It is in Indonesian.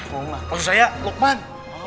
tentu saya luqman